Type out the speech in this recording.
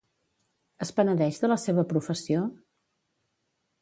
Es penedeix de la seva professió?